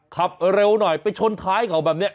ขับเร็วหน่อยไปชนท้ายเขาแบบนี้